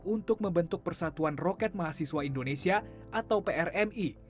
untuk membentuk persatuan roket mahasiswa indonesia atau prmi